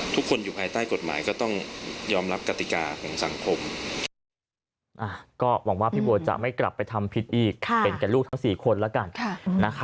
ทุกคนอยู่ภายใต้กฎหมายก็ต้องยอมรับกติกาของสังคม